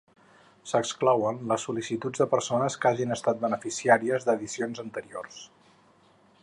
S'exclouen les sol·licituds de persones que hagin estat beneficiàries d'edicions anteriors.